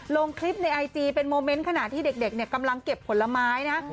ลงคลิปในไอจีเป็นโมเมนต์ขณะที่เด็กเนี่ยกำลังเก็บผลไม้นะ